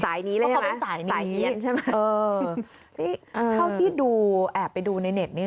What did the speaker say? สายนี้เลยใช่ไหมสายเย็นใช่ไหมเออนี่เท่าที่ดูแอบไปดูในเน็ตนี้